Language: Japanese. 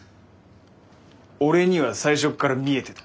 俺には最初っから見えてた。